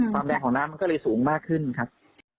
แรงของน้ำมันก็เลยสูงมากขึ้นครับ